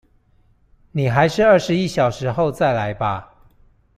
你還是二十一小時後再來吧